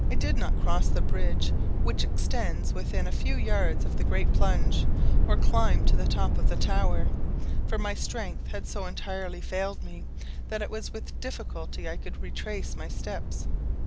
I did not cross the bridge, which extends within a few yards of the great plunge, or climb to the top of the tower; for my strength had so entirely failed me, that it was with difficulty I could retrace my steps.